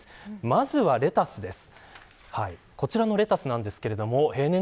まずは、レタスです。